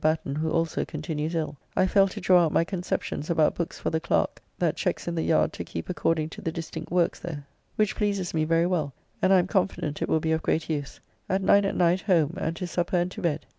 Batten, who also continues ill) I fell to draw out my conceptions about books for the clerk that cheques in the yard to keep according to the distinct works there, which pleases me very well, and I am confident it will be of great use. At 9 at night home, and to supper, and to bed.